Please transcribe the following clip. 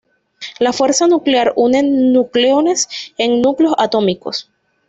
La fuerza nuclear une nucleones en núcleos atómicos.